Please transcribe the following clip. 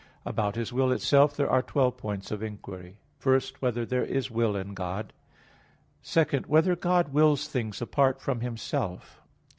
About His will itself there are twelve points of inquiry: (1) Whether there is will in God? (2) Whether God wills things apart from Himself?